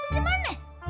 ngantuk apa gimane